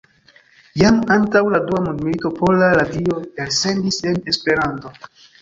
Jam antaŭ la dua mondmilito Pola Radio elsendis en Esperanto.